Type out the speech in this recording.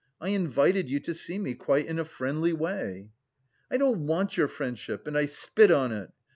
"I invited you to see me quite in a friendly way." "I don't want your friendship and I spit on it!